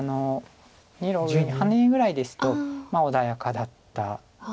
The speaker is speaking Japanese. ２路上にハネぐらいですと穏やかだったと。